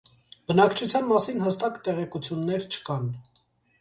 Բնակչության մասին հստակ տեղեկություններ չկան։